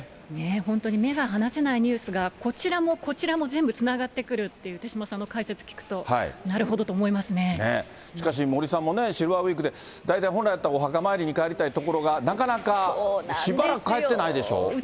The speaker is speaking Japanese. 本当に目が離せないニュースが、こちらも、こちらも、全部つながってくるっていう、手嶋さんの解説聞くと、しかし、森さんも、シルバーウイークで大体本来だったらお墓参りに帰りたいところが、なかなか、しばらく帰ってないでしょう。